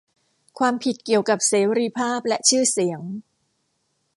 ความผิดเกี่ยวกับเสรีภาพและชื่อเสียง